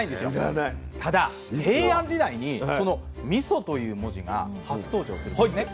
ただ平安時代にその「みそ」という文字が初登場するんですね。